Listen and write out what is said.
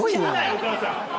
お母さん。